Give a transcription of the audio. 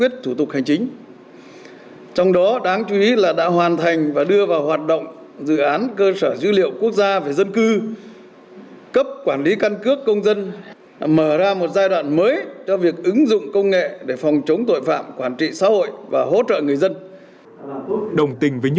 trong đó đáng chú ý là đã hoàn thành và đưa vào hoạt động dự án cơ sở dữ liệu quốc gia về dân cư cấp quản lý căn cước công dân mở ra một giai đoạn mới cho việc ứng dụng công nghệ để phòng chống tội phạm quản trị xã hội và hỗ trợ người dân